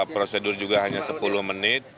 prosedur juga hanya sepuluh menit